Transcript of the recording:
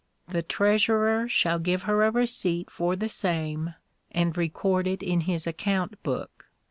The treasurer shall give her a receipt for the same, and record it in his account book."